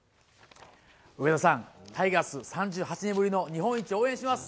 上田さん、タイガース、３８年ぶりの日本一、応援します。